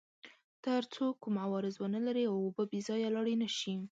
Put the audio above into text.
تر څو کوم عوارض ونلري او اوبه بې ځایه لاړې نه شي.